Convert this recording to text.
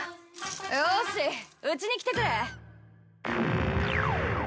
よーしうちに来てくれ。